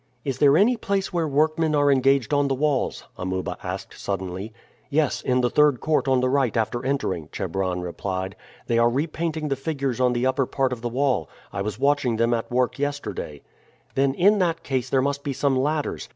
"Is there any place where workmen are engaged on the walls?" Amuba asked suddenly. "Yes, in the third court on the right after entering," Chebron replied. "They are repainting the figures on the upper part of the wall. I was watching them at work yesterday." "Then in that case there must be some ladders.